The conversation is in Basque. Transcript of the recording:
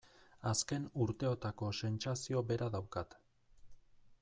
Azken urteotako sentsazio bera daukat.